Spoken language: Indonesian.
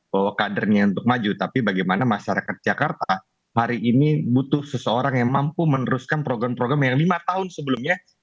bahwa kadernya untuk maju tapi bagaimana masyarakat jakarta hari ini butuh seseorang yang mampu meneruskan program program yang lima tahun sebelumnya